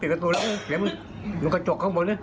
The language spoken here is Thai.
เฉียงมันมือกระจกเข้าบนนี่